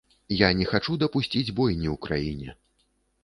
Я не хачу дапусціць бойні ў краіне.